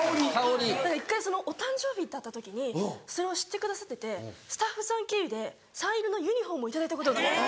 一回お誕生日だった時にそれを知ってくださっててスタッフさん経由でサイン入りのユニホームを頂いたことが。